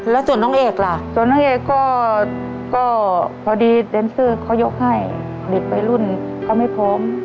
แล้วส่วนน้องเอกล่ะส่วนน้องเอกก็พอดีแดนเซอร์เขายกให้เด็กวัยรุ่นเขาไม่พร้อม